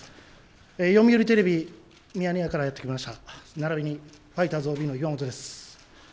読売テレビ、「ミヤネ屋」からやってきました、並びにファイターズＯＢの岩本です。